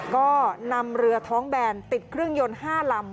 ก็นำเรือท้องแบนติดเครื่องยนต์๕ลำ